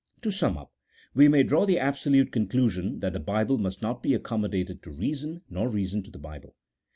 To sum up, we may draw the absolute conclusion that the Bible must not be accommodated to reason, nor reason to the Bible.